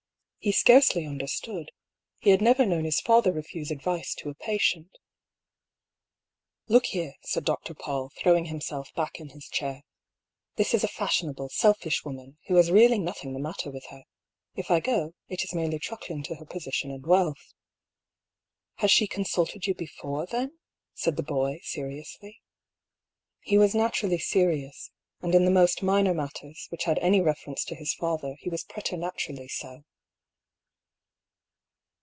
He scarcely understood — he had never known his father refuse advice to a patient. " Look here," said Dr. Paull, throwing himself back in his chair. "This is a fashionable, selfish woman, who has really nothing the matter with her. If I go, it is merely truckling to her position and wealth." " Has she consulted you before, then? " said the boy, seriously. He was naturally serious, and in the most minor matters, which had any reference to his father, he was preternaturally so.